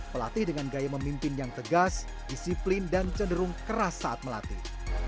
pelatih dengan gaya memimpin yang tegas disiplin dan cenderung keras saat melatih